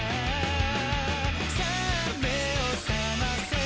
「さあ、目を覚ませ。」